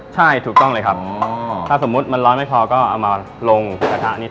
ใช่ถูกต้องเลยครับถ้าสมมุติมันร้อนไม่พอก็เอามาลงกระทะนิด